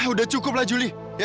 udah cukup lah juli